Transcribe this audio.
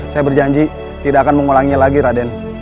saya berjanji tidak akan mengulangi lagi raden